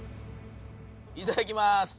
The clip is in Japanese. いただきます。